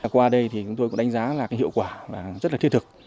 qua đây thì chúng tôi cũng đánh giá là hiệu quả rất là thiết thực